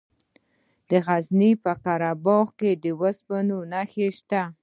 د غزني په قره باغ کې د اوسپنې نښې شته.